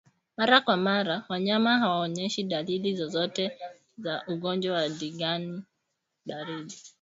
Mara kwa mara wanyama hawaoneshi dalili zozote za ugonjwa wa ndigana baridi